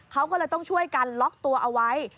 เขาก็เลยต้องช่วยกันล็อกตัวเอาไว้